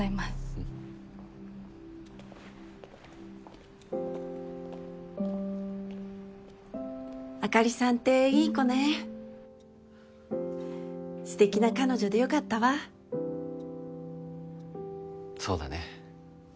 うんあかりさんっていい子ねステキな彼女でよかったわそうだね